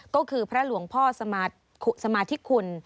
ก็คือพระหลวงพ่อสมาธิคุณ